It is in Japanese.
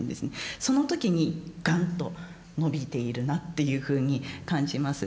その時にガンッと伸びているなっていうふうに感じます。